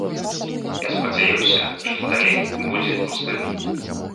Я спадзяюся, што далей будзе ўздым.